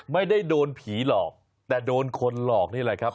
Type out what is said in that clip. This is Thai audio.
ไม่ได้โดนผีหลอกแต่โดนคนหลอกนี่แหละครับ